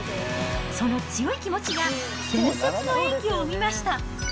その強い気持ちが伝説の演技を生みました。